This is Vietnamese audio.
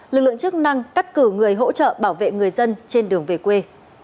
lực lượng chức năng cắt cử người hỗ trợ bảo vệ người dân trên đường về quê